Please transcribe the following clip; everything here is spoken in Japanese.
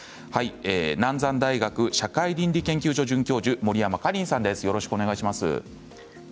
南山大学社会倫理研究所准教授の森山花鈴さんです。